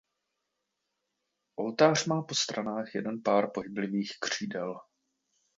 Oltář má po stranách jeden pár pohyblivých křídel.